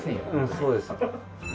そうですよ